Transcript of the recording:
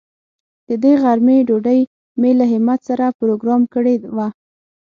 د دې غرمې ډوډۍ مې له همت سره پروگرام کړې وه.